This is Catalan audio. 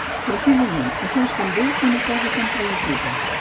Precisament, això és també una cosa que em preocupa.